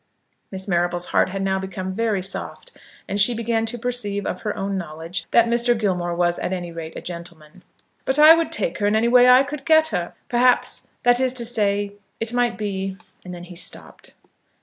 Miss Marrable's heart had now become very soft, and she began to perceive, of her own knowledge, that Mr. Gilmore was at any rate a gentleman. "But I would take her in any way that I could get her. Perhaps that is to say, it might be " And then he stopped.